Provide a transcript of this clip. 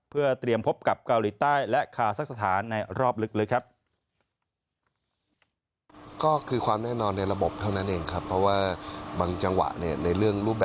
เพื่อเตรียมพบกับเกาหลีใต้และคาซักสถานในรอบลึกครับ